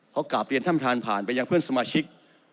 เขากลับเรียนท่านประธานผ่านไปยังเพื่อนสมาชิก